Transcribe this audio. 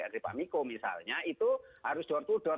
dari pak miko misalnya itu harus door to door